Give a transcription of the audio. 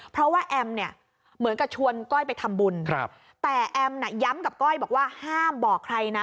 เพราะว่าแอมเนี่ยเหมือนกับชวนก้อยไปทำบุญครับแต่แอมน่ะย้ำกับก้อยบอกว่าห้ามบอกใครนะ